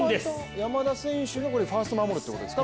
山田選手がファーストを守るということですか？